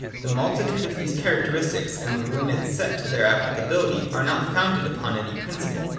The multitude of these characteristics, and the limits set to their applicability, are not founded upon any principle.